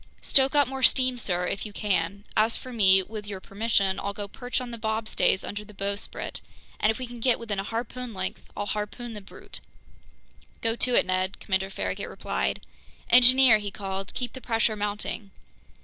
"Stoke up more steam, sir, if you can. As for me, with your permission I'll go perch on the bobstays under the bowsprit, and if we can get within a harpoon length, I'll harpoon the brute." "Go to it, Ned," Commander Farragut replied. "Engineer," he called, "keep the pressure mounting!"